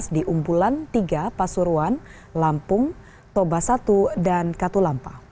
di umpulan tiga pasuruan lampung toba satu dan katulampa